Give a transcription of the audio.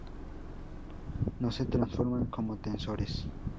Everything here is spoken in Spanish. No se transforman como tensores.